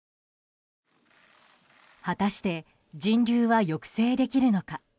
果たして人流は抑制できるのか。